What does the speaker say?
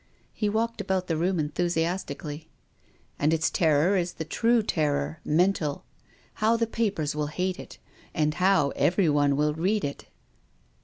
He walked about the room enthusiastically. "And its terror is the true terror — mental. How the papers will hate it, and how every one will read it